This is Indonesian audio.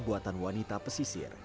buatan wanita pesisir